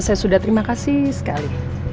saya sudah terima kasih sekali